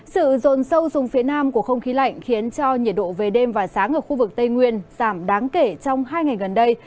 sự rồn sâu xuống phía nam của không khí lạnh khiến cho nhiệt độ về đêm và sáng ở khu vực tây nguyên giảm đáng kể trong hai ngày gần đây